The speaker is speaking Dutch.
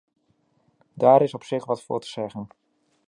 Daar is op zich wat voor te zeggen.